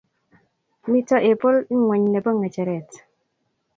Mito apple ingwenye nebo ngecheret